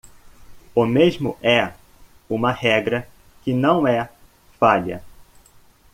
O mesmo é uma regra que não é falha.